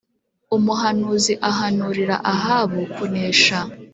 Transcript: Umuhanuzi ahanurira Ahabu kunesha